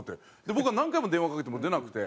僕が何回も電話かけても出なくて。